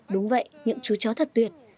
đúng vậy những chú chó thật tuyệt